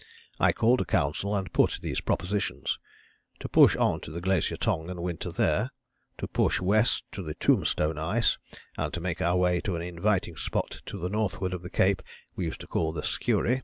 I called a council and put these propositions. To push on to the Glacier Tongue and winter there; to push west to the 'tombstone' ice and to make our way to an inviting spot to the northward of the cape we used to call 'the Skuary.'